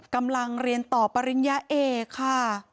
กำลังเรียนต่อปริญญาเอกค่ะ